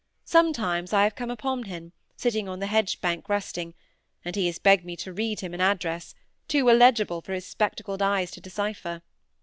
Sometimes I have come upon him, sitting on the hedge bank resting; and he has begged me to read him an address, too illegible for his spectacled eyes to decipher.